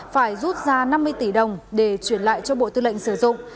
phải rút ra năm mươi tỷ đồng để chuyển lại cho bộ tư lệnh sử dụng